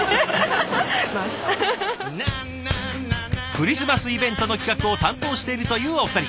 クリスマスイベントの企画を担当しているというお二人。